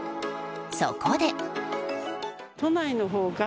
そこで。